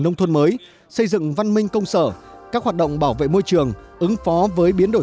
nông thôn mới xây dựng văn minh công sở các hoạt động bảo vệ môi trường ứng phó với biến đổi